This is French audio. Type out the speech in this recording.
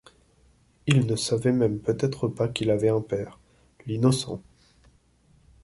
Il ne savait même peut-être pas qu’il avait un père, l’innocent!